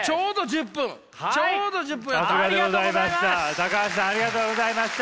高橋さんありがとうございました。